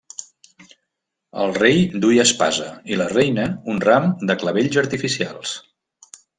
El rei duia espasa i la reina un ram de clavells artificials.